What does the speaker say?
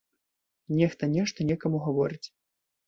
Нехта нешта некаму гаворыць.